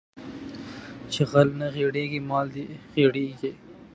چې غل نه غېړيږي مال دې غېړيږي